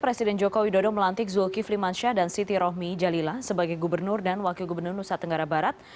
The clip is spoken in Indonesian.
presiden joko widodo melantik zulkifli mansyah dan siti rohmi jalila sebagai gubernur dan wakil gubernur nusa tenggara barat